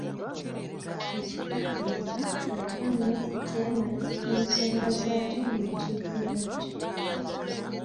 Ekika ekyo kaakano kyemalira ensonga zaakyo mu Lukiiko lwakyo.